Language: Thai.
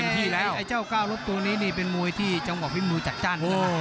ลำพังแล้วไอ้เจ้าก้าวรบตัวนี้นี่เป็นมวยที่จังหวะพิมพ์มือจักจัน